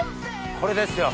これですよ！